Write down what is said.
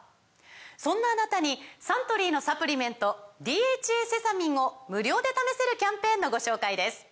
そんなあなたにサントリーのサプリメント「ＤＨＡセサミン」を無料で試せるキャンペーンのご紹介です